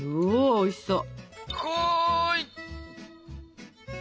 おいしそう！